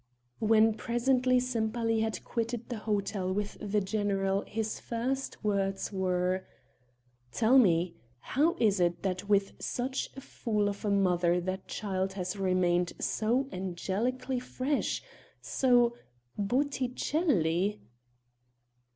When presently Sempaly had quitted the hotel with the general his first words were: "Tell me, how is it that with such a fool of a mother that child has remained so angelically fresh so Botticelli?"